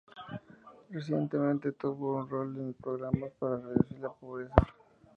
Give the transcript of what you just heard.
Recientemente tiene un rol en programas para reducir la pobreza.